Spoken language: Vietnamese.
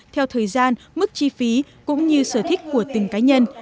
theo thời gian mức chi phí cũng như sở thích của từng cá nhân